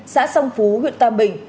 xã sông phú huyện tam bình